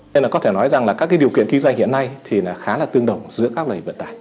nên là có thể nói rằng là các cái điều kiện kinh doanh hiện nay thì khá là tương đồng giữa các ngành vận tải